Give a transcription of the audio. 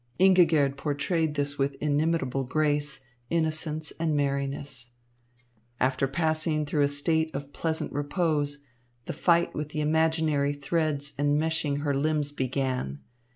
Ingigerd portrayed this with inimitable grace, innocence and merriness. After passing through a state of pleasant repose, the fight with the imaginary threads enmeshing her limbs began.